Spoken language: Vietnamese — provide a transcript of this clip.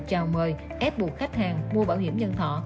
chào mời ép buộc khách hàng mua bảo hiểm nhân thọ